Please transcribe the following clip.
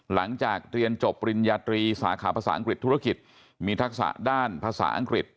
หลังจากเรียนจบปริญญาตรีสาขาภาษาอังกฤษธุรกิจมีทักษะด้านภาษาอังกฤษ